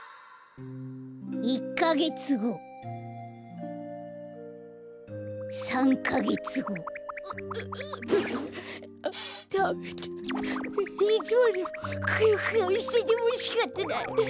１かげつご３かげつごダメだいつまでもくよくよしててもしかたない。